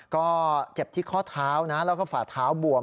ก็เจ็บที่ข้อเท้านะแล้วก็ฝ่าเท้าบวม